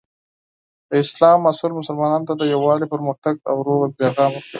د اسلام اصول مسلمانانو ته د یووالي، پرمختګ، او سولې پیغام ورکوي.